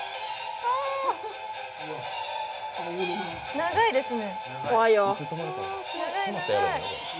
長いですね。